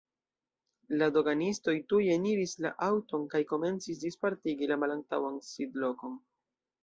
La doganistoj tuj eniris la aŭton kaj komencis dispartigi la malantaŭan sidlokon.